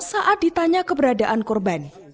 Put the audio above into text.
saat ditanya keberadaan korban